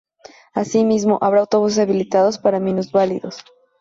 Asimismo, habrá autobuses habilitados para minusválidos.